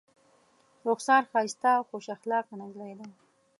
رخسار ښایسته او خوش اخلاقه نجلۍ ده.